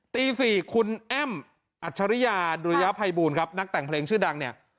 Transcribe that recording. ตี๔คุณแอ้มอัจฉริยาดุริยภัยบูลครับนักแต่งเพลงชื่อดังเนี่ย